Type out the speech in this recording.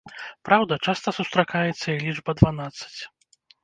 Праўда, часта сустракаецца і лічба дванаццаць.